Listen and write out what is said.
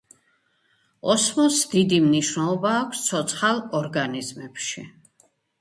ოსმოსს დიდი მნიშვნელობა აქვს ცოცხალ ორგანიზმებში.